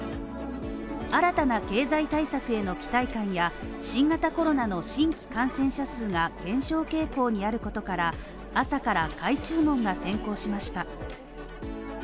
新たな経済対策への期待感や新型コロナの新規感染者数が減少傾向にあることから、朝から買い注文が先行しました。